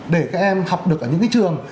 để các em học được ở những cái trường